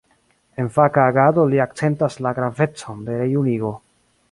En faka agado li akcentas la gravecon de rejunigo.